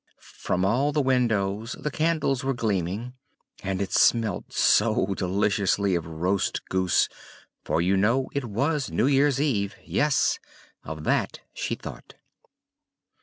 From all the windows the candles were gleaming, and it smelt so deliciously of roast goose, for you know it was New Year's Eve; yes, of that she thought.